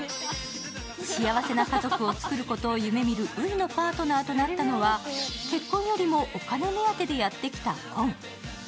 幸せな家族を作ることを夢見る初のパートナーとなったのは結婚よりもお金目当てでやってきた紺。